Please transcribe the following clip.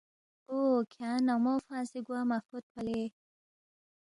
او، کھیانگ نمو فنگسے گوا مہ فوتپا لے